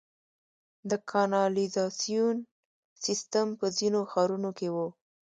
د کانالیزاسیون سیستم په ځینو ښارونو کې و